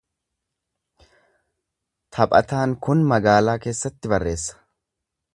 Taphataan kun magaalaa keessatti barreessa.